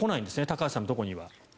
高橋さんのところには。